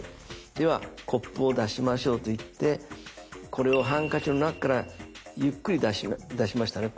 ではコップを出しましょう」と言ってこれをハンカチの中からゆっくり出しましたね。